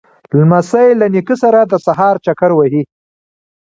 لمسی له نیکه سره د سهار چکر وهي.